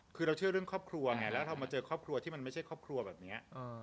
คือเราเชื่อเรื่องครอบครัวไงแล้วเรามาเจอครอบครัวที่มันไม่ใช่ครอบครัวแบบนี้